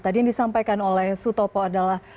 tadi yang disampaikan oleh sutopo adalah